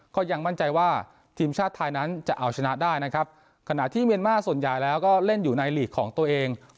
ก็ยังมั่นใจว่าทีมชาติไทยนั้นจะเอาชนะได้นะครับขณะที่เมียนมาร์ส่วนใหญ่แล้วก็เล่นอยู่ในลีกของตัวเอง